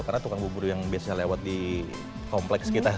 karena tukang bubur yang biasanya lewat di kompleks kita